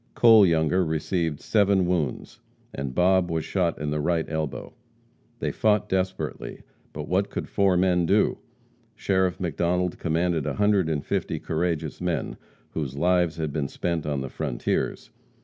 Cole Younger received seven wounds, and Bob was shot in the right elbow. They fought desperately, but what could four men do? Sheriff McDonald commanded a hundred and fifty courageous men, whose lives had been spent on the frontiers.